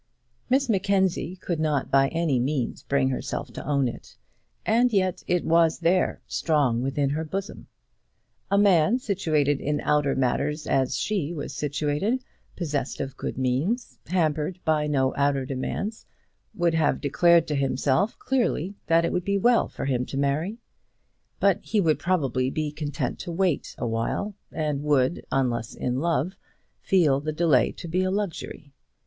Miss Mackenzie could not by any means bring herself to own it, and yet it was there strong within her bosom. A man situated in outer matters as she was situated, possessed of good means, hampered by no outer demands, would have declared to himself clearly that it would be well for him to marry. But he would probably be content to wait a while and would, unless in love, feel the delay to be a luxury.